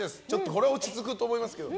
これは落ち着くと思いますけど。